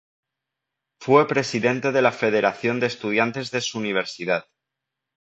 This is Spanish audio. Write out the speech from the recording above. Fue presidente de la Federación de Estudiantes de su universidad.